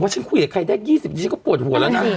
ว่าฉันคุยกันใครได้ยี่สิบนี้ฉันก็ปวดหัวแล้วน่ะ